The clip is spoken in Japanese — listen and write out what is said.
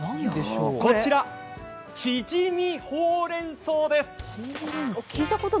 こちら、ちぢみほうれん草です。